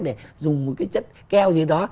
để dùng một cái chất keo gì đó